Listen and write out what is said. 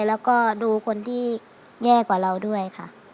แล้วก็ดูคนที่แย่กว่าเราด้วยค่ะ